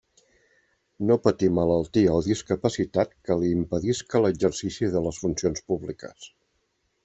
No patir malaltia o discapacitat que li impedisca l'exercici de les funcions públiques.